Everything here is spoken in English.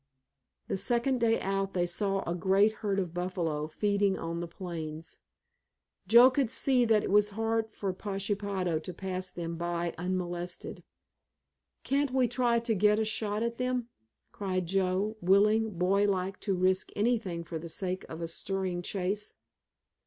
The second day out they saw a great herd of buffalo feeding on the plains. Joe could see that it was hard for Pashepaho to pass them by unmolested. "Can't we try to get a shot at them?" cried Joe, willing, boy like, to risk anything for the sake of a stirring chase.